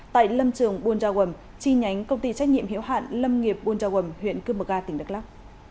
tại lâm trường buôn giao quẩm chi nhánh công ty trách nhiệm hiểu hạn lâm nghiệp buôn giao quẩm huyện cư mực ga tỉnh đắk lắk